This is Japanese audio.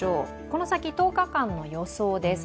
この先１０日間の予想です。